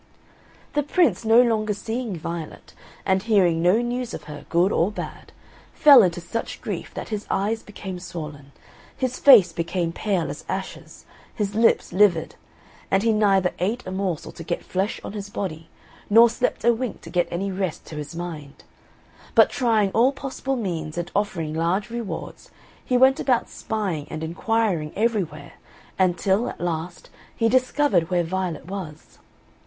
The Prince no longer seeing Violet, and hearing no news of her, good or bad, fell into such grief that his eyes became swollen, his face became pale as ashes, his lips livid; and he neither ate a morsel to get flesh on his body, nor slept a wink to get any rest to his mind. But trying all possible means and offering large rewards, he went about spying and inquiring everywhere until, at last, he discovered where Violet was.